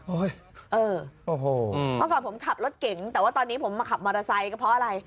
เออโอ้โหเมื่อก่อนผมขับรถเก่งแต่ว่าตอนนี้ผมมาขับมอเตอร์ไซค์ก็เพราะอะไร